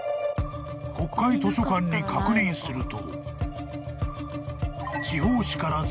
［国会図書館に確認すると］